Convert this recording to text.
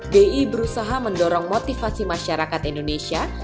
bi berusaha mendorong motivasi masyarakat indonesia